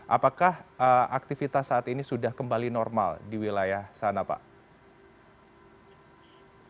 apakah aktivitas saat ini sudah kembali normal di wilayah sana pak